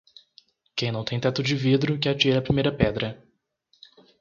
Quem não tem teto de vidro que atire a primeira pedra